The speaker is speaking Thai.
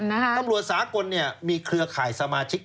บุพรษากลตำรวจสาหกลมีเครือข่ายสมาชิก